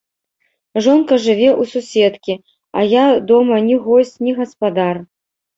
Жонка жыве ў суседкі, а я дома ні госць, ні гаспадар.